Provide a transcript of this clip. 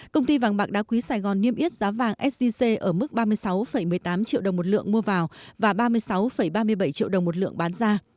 công ty vàng bạc đá quý sài gòn niêm yết giá vàng sgc ở mức ba mươi sáu một mươi tám triệu đồng một lượng mua vào và ba mươi sáu ba mươi bảy triệu đồng một lượng bán ra